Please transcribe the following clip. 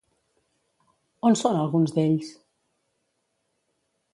On són alguns d'ells?